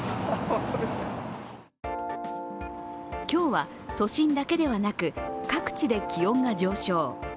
今日は都心だけではなく各地で気温が上昇。